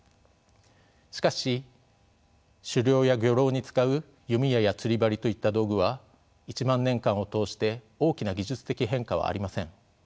しかし狩猟や漁労に使う弓矢や釣り針といった道具は１万年間を通して大きな技術的変化はありません。